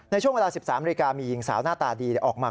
ในช่วงเวลา๑๓นาฬิกามีหญิงสาวหน้าตาดีออกมา